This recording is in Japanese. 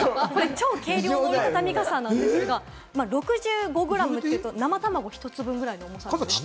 超軽量の折りたたみ傘なんですが、６５グラム、生卵１つ分ぐらいの重さです。